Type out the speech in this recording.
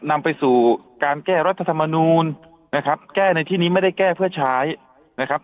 นำไปสู่การแก้รัฐธรรมนูลนะครับแก้ในที่นี้ไม่ได้แก้เพื่อใช้นะครับ